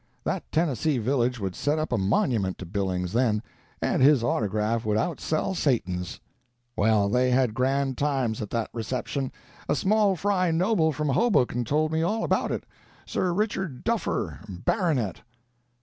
That Tennessee village would set up a monument to Billings, then, and his autograph would outsell Satan's. Well, they had grand times at that reception—a small fry noble from Hoboken told me all about it—Sir Richard Duffer, Baronet."